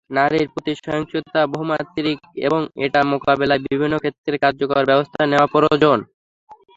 নারীর প্রতি সহিংসতা বহুমাত্রিক এবং এটা মোকাবিলায় বিভিন্ন ক্ষেত্রে কার্যকর ব্যবস্থা নেওয়া প্রয়োজন।